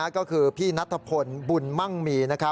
ก็คือพี่นัทพลบุญมั่งมี